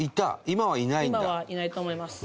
今はいないと思います。